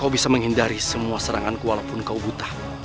aku harus menangis